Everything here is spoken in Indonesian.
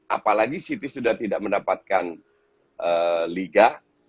apalagi city sudah tidak mendapatkan liga